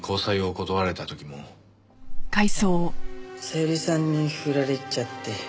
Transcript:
小百合さんにフラれちゃって。